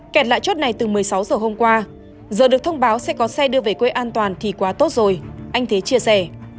kẹt lại chốt này từ một mươi sáu giờ hôm qua giờ được thông báo sẽ có xe đưa về quê an toàn thì quá tốt rồi anh thế chia sẻ